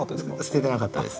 捨ててなかったです。